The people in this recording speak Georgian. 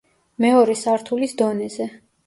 მეორე სართულის დონეზე.